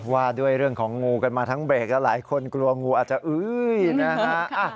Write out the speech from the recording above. ว่าด้วยเรื่องของงูกันมาทั้งเบรกแล้วหลายคนกลัวงูอาจจะอุ้ยนะฮะ